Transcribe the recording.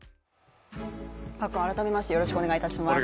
パックン、改めましてよろしくお願いします。